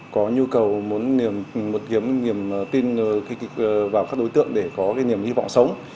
có nhu cầu muốn kiếm niềm tin vào các đối tượng để có cái niềm hy vọng sống